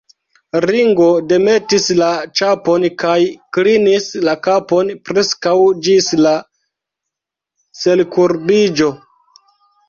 Ringo demetis la ĉapon kaj klinis la kapon preskaŭ ĝis la selkurbiĝo.